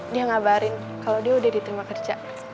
dia ngabarin kalau dia udah diterima kerja